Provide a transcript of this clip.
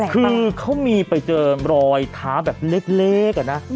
คือเขามีไปเจอรอยเท้าแบบเล็กอะนะ